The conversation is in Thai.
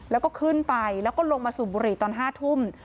แล้วก็ขึ้นไปแล้วก็ลงมาสูบบุหรี่ตอน๕ทุ่ม